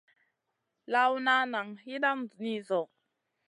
Lawna nan yiidan ni zo.